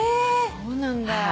そうなんだ。